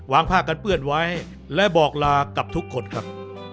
ผ้ากันเปื้อนไว้และบอกลากับทุกคนครับ